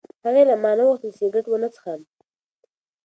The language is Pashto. هغې له ما نه وغوښتل چې سګرټ ونه څښم.